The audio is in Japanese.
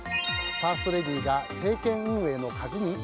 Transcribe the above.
ファーストレディーが政権運営の鍵に？